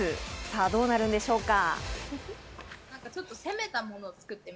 どうなるんでしょうか。